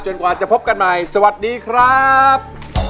กว่าจะพบกันใหม่สวัสดีครับ